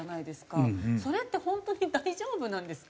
それって本当に大丈夫なんですか？